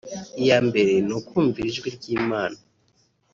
iya mbere ni ukumvira ijwi ry'Imana